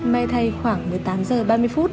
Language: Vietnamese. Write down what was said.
may thay khoảng một mươi tám h ba mươi